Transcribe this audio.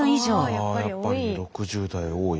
やっぱり６０代多い。